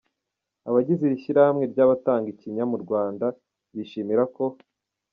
Abagize iri shyirahamwe ry’abatanga ikinya mu Rwanda, bishimira ko.